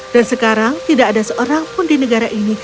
dan sekarang tidak ada seorangpun di negara ini